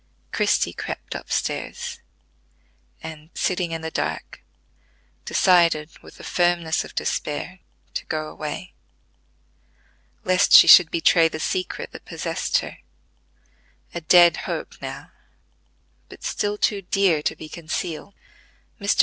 Christie crept upstairs, and, sitting in the dark, decided with the firmness of despair to go away, lest she should betray the secret that possessed her, a dead hope now, but still too dear to be concealed. "Mr.